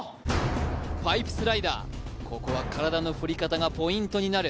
パイプスライダー、ここは体の振り方がポイントになる。